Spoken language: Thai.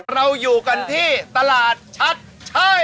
เราอยู่กันที่ตลาดชัดชัย